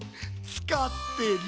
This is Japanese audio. つかってる。